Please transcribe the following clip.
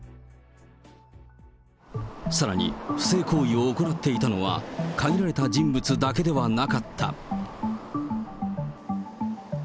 さらに、不正行為を行っていたのは、限られた人物だけではなかった。